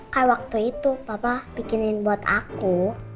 kayak waktu itu papa bikinin buat aku